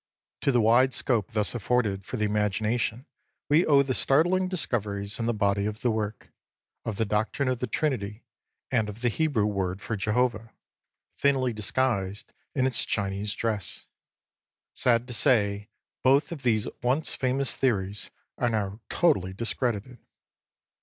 To the wide scope thus afforded for the imagination we owe the startling discoveries, in the body of the work, of the Doctrine of the Trinity, and of the Hebrew word for Jehovah, thinly disguised in its Chinese dress. Sad to say, both of these once famous theories are now totally discredited.